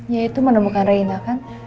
yaitu menemukan rena kan